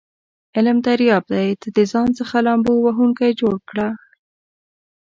علم دریاب دی ته دځان څخه لامبو وهونکی جوړ کړه س